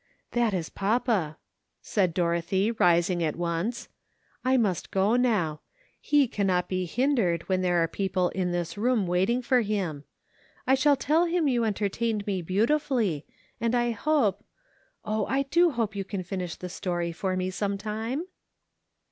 " That is papa," said Dorothy, rising at once, " I must go now ; he cannot be hindered when the^ e ar^ 176 ''SO YOU WANT TO GO HOMEf' people in this room waiting for him; I shall tell him you entertained me beautifully, and I hope — oh! I do hope you can finish the story for me sometime."